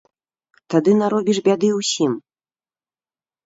Тады наробіш бяды ўсім.